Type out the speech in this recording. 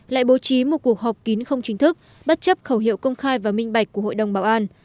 lại bố trí một cuộc họp kín không chính thức bất chấp khẩu hiệu công khai và minh bạch của hội đồng bảo an